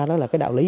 đó là cái đạo lý